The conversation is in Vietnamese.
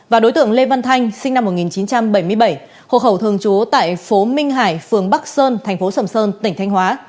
và đối tượng lê văn thanh sinh năm một nghìn chín trăm bảy mươi bảy hộ khẩu thường trú tại phố minh hải phường bắc sơn thành phố sầm sơn tỉnh thanh hóa